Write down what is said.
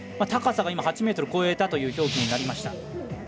高さが今、８ｍ超えたという表記になりました。